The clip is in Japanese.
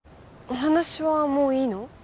お話はもういいの？